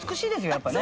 やっぱね。